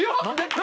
何？